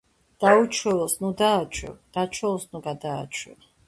დაუჩვეველს ნუ დააჩვევ, დაჩვეულს ნუ გადააჩვევ